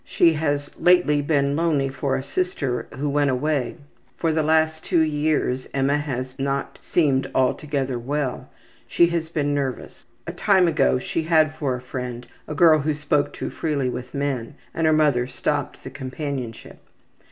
She has lately been lonely for a sister who went away. For the last two years Emma has not seemed altogether well; she has been nervous. A time ago she had for a friend a girl who spoke too freely with men, and her mother stopped the companionship.